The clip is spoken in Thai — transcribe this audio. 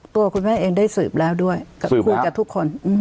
ตัวคุณแม่เองได้สืบแล้วด้วยคุยกับทุกคน